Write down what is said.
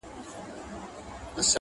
هغوی دواړه په سلا کي سرګردان سول-